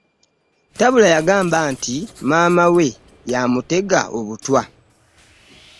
Tabula yaamba nti maama we yamutega obutwa .